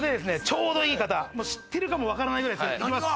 ちょうどいい方もう知ってるかもわからないぐらいですいきます